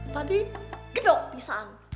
tadi geduk pisang